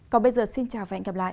còn bây giờ xin chào và hẹn gặp lại